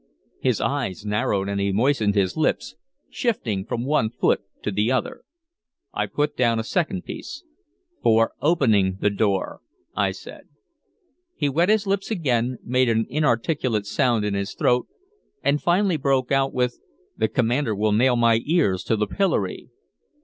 His eyes narrowed and he moistened his lips, shifting from one foot to the other. I put down a second piece. "For opening the outer door," I said. He wet his lips again, made an inarticulate sound in his throat, and finally broke out with, "The commander will nail my ears to the pillory."